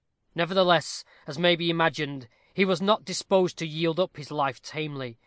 Nevertheless, as may be imagined, he was not disposed to yield up his life tamely.